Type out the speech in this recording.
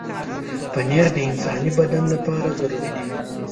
پنېر د انساني بدن لپاره ضروري دی.